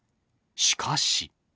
しかし。